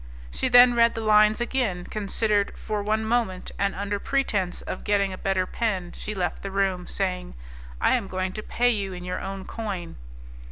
She then read the lines again, considered for one moment, and under pretence of getting a better pen, she left the room, saying, "I am going to pay you in your own coin."